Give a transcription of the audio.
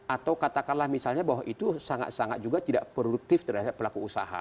atau katakanlah misalnya bahwa itu sangat sangat juga tidak produktif terhadap pelaku usaha